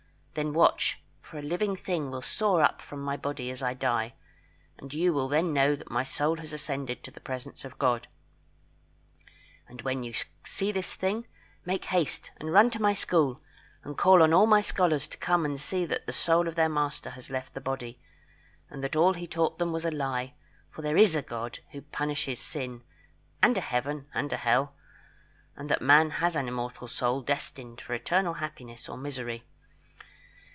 Then watch for a living thing will soar up from my body as I die, and you will then know that my soul has ascended to the presence of God. And when you see this thing, make haste and run to my school, and call on all my scholars to come and see that the soul of their master has left the body, and that all he taught them was a lie, for that there is a God who punishes sin, and a Heaven, and a Hell, and that man has an immortal soul destined for eternal happiness or misery."